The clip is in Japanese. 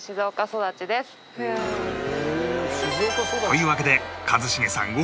というわけで一茂さんお見事！